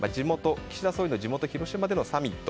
岸田総理の地元広島でのサミット。